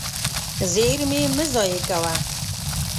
زېرمې مه ضایع کوه.